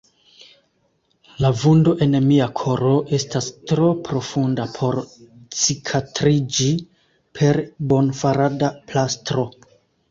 La vundo en mia koro estas tro profunda por cikatriĝi per bonfarada plastro.